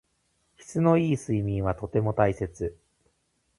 質の良い睡眠はとても大切。